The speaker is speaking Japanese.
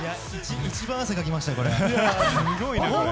一番汗かきました、これ。